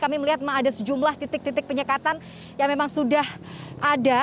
kami melihat memang ada sejumlah titik titik penyekatan yang memang sudah ada